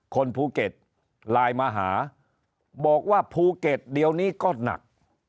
คนภูเก็ตไลน์มาหาบอกว่าภูเก็ตเดี๋ยวนี้ก็หนัก